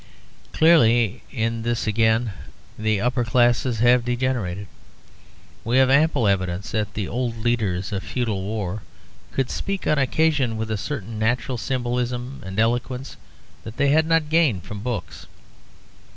Clearly in this, again, the upper classes have degenerated. We have ample evidence that the old leaders of feudal war could speak on occasion with a certain natural symbolism and eloquence that they had not gained from books.